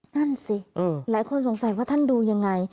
นั่นสิหลายคนสงสัยว่าท่านดูยังไง